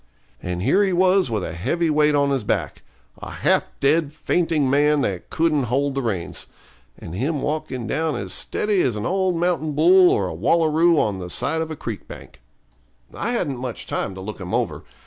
And here he was with a heavy weight on his back a half dead, fainting man, that couldn't hold the reins and him walking down as steady as an old mountain bull or a wallaroo on the side of a creek bank. I hadn't much time to look him over.